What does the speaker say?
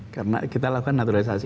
karena kita lakukan naturalisasi